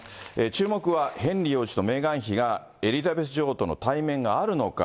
注目はヘンリー王子とメーガン妃がエリザベス女王との対面があるのか。